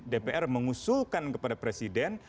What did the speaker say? dpr mengusulkan kepada presiden